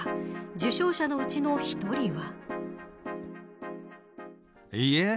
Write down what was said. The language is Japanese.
受賞者のうちの１人は。